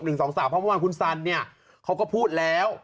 เพราะเพราะว่าคุณแซ่นนี่เขาก็พูดแล้ว